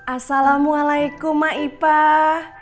assalamualaikum ma ipah